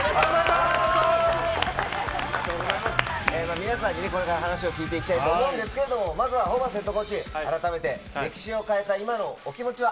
皆さんにこれから話を聞いていきたいと思うんですけれども、まずはホーバスヘッドコーチ、改めて歴史を変えた今のお気持ちは？